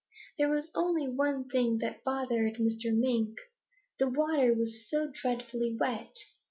There was only one thing that bothered Mr. Mink. The water was so dreadfully wet!